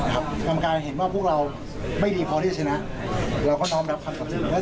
กรรมการเห็นว่าพวกเราไม่ดีพอที่จะชนะเราก็นอนแบบคำสั่งซึ่ง